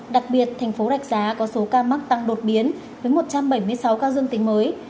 đặc biệt tp hcm có số ca mắc tăng đột biến với một trăm bảy mươi sáu ca dương tính mới